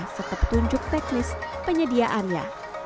serta petunjuk teknis penyediaannya